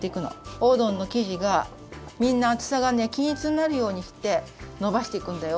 おうどんの生地がみんなあつさがねきんいつになるようにしてのばしていくんだよ。